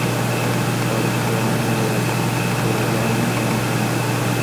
غبرګ ځوان وويل خو زه ام وايم کنه.